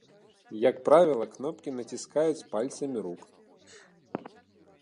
Як правіла, кнопкі націскаюць пальцамі рук.